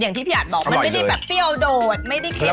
อย่างที่พี่อันบอกมันไม่เดียวแบบเปรี้ยวโดดไม่ได้เค็มเลย